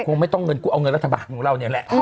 คงไม่ต้องเงินกูเอาเงินรัฐบาลของเราเนี่ยแหละ